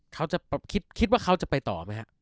เขาจะคิดว่าเขาจะไปต่อไหมฮะ